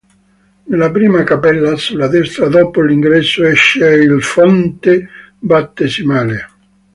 Nella prima cappella sulla destra dopo l'ingresso c'è il "Fonte Battesimale".